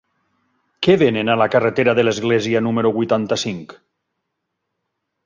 Què venen a la carretera de l'Església número vuitanta-cinc?